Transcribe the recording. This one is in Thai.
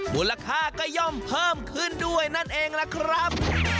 มูลค่าก็ย่อมเพิ่มขึ้นด้วยนั่นเองล่ะครับ